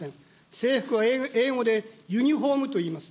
制服は英語でユニホームといいます。